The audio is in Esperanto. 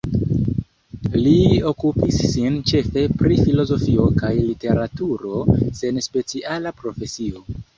Li okupis sin ĉefe pri filozofio kaj literaturo, sen speciala profesio.